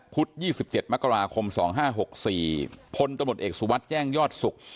พุธยี่สิบเจ็ดมกราคมสองห้าหกสี่พลตมติเอกสุวัตรแจ้งยอดศุกร์